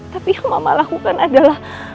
tapi yang mama lakukan adalah